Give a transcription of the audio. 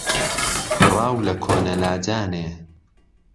راو له کۆنه لاجانێ